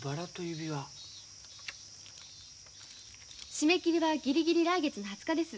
締め切りはギリギリ来月の２０日です。